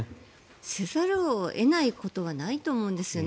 せざるを得ないことはないと思うんですね。